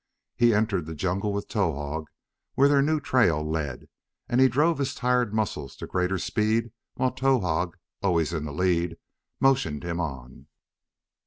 He entered the jungle with Towahg where their new trail led, and drove his tired muscles to greater speed while Towahg, always in the lead, motioned him on.